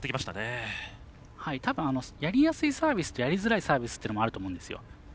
たぶんやりやすいサービスとやりづらいサービスというのがあると思うんですよ。